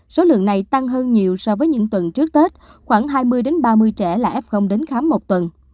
số lượng này tăng hơn nhiều so với những tuần trước tết khoảng hai mươi ba mươi trẻ là f đến khám một tuần